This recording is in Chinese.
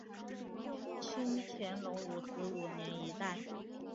清乾隆五十五年一带。